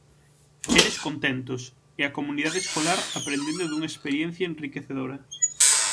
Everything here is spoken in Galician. Eles contentos, e a comunidade escolar aprendendo dunha experiencia enriquecedora.